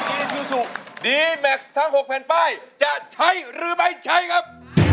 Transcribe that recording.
อีซูซูดีแม็กซ์ทั้ง๖แผ่นป้ายจะใช้หรือไม่ใช้ครับ